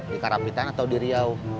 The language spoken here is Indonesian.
di karabitan atau di riau